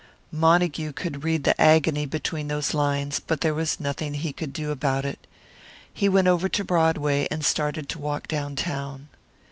Montague could read the agony between those lines; but there was nothing he could do about it. He went over to Broadway, and started to walk down town.